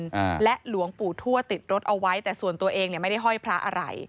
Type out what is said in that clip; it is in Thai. อ่าและหลวงปู่ทั่วติดรถเอาไว้แต่ส่วนตัวเองเนี่ยไม่ได้ห้อยพระอะไร